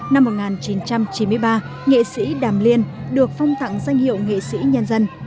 năm một nghìn chín trăm chín mươi ba nghệ sĩ đàm liên được phong tặng danh hiệu nghệ sĩ nhân dân